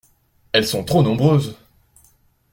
Elles sont trop nombreuses.